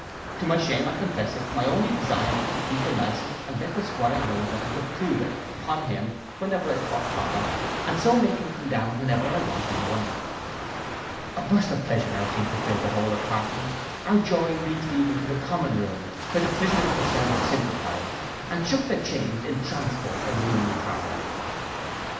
To my shame I confess it, my only design was to keep the licence and let the 'Squire know that I could prove it upon him whenever I thought proper, and so make him come down whenever I wanted money.' A burst of pleasure now seemed to fill the whole apartment; our joy reached even to the common room, where the prisoners themselves sympathized, —And shook their chains In transport and rude harmony.